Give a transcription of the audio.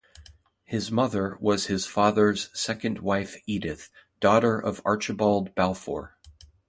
His mother was his father's second wife Edith, daughter of Archibald Balfour.